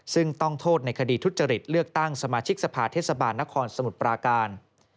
ซึ่งต้องโทษในคดีทุจริตเลือกตั้งสมาชิกสภาเทศบาลนครสมุทรปราการ